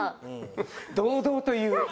堂々と言う。